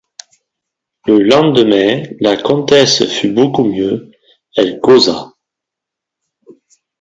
Le lendemain, la comtesse fut beaucoup mieux, elle causa.